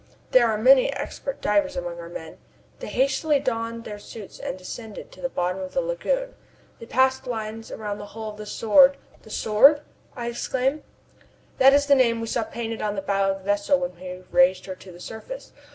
There are many expert divers among our men. They hastily donned their suits and descended to the bottom of the lagoon. They passed lines around the hull of the Sword " "The Sword?" I exclaim. "That is the name we saw painted on the bow of the vessel when we raised her to the surface.